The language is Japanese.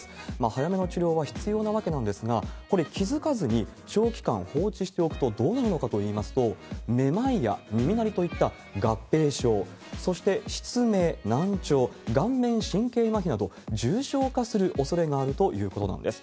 早めの治療は必要なわけなんですが、これ、気付かずに長期間放置しておくとどうなるのかといいますと、めまいや耳鳴りといった合併症、そして、失明、難聴、顔面神経麻痺など、重症化するおそれがあるということなんです。